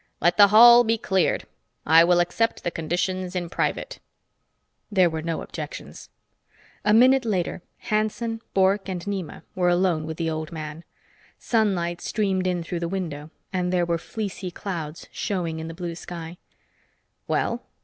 "Let the hall be cleared. I will accept the conditions in private." There were no objections. A minute later Hanson, Bork and Nema were alone with the old man. Sunlight streamed in through the window, and there were fleecy clouds showing in the blue sky. "Well?"